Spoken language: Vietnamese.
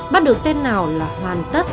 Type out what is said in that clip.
bắt được tên nào là hoàn tất